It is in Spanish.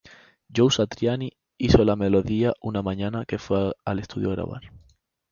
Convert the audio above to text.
Joe Satriani hizo la melodía una mañana que fue al estudio a grabar.